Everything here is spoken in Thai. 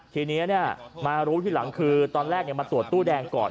ทีนี้มารู้ทีหลังคือตอนแรกมาตรวจตู้แดงก่อน